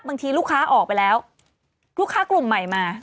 บางทีลูกค้าออกไปแล้วลูกค้ากลุ่มใหม่มา